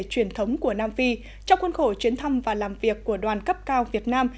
truyền thống của nam phi trong khuôn khổ chuyến thăm và làm việc của đoàn cấp cao việt nam